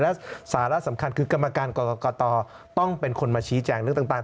และสาระสำคัญคือกรรมการกรกตต้องเป็นคนมาชี้แจงเรื่องต่าง